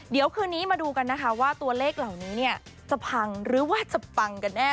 เดี๋ยวคืนนี้มาดูกันนะคะว่าตัวเลขเหล่านี้เนี่ยจะพังหรือว่าจะปังกันแน่